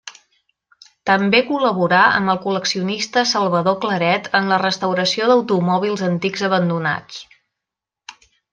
També col·laborà amb el col·leccionista Salvador Claret en la restauració d'automòbils antics abandonats.